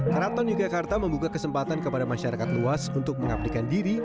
keraton yogyakarta membuka kesempatan kepada masyarakat luas untuk mengabdikan diri